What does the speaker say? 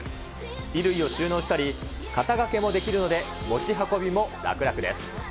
衣類を収納したり、肩掛けもできるので、持ち運びも楽々です。